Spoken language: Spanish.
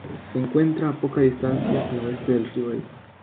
Se encuentra a poca distancia al oeste del río Elba.